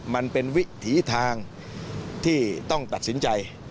มันเป็นวิถีทางที่ต้องตัดสินใจ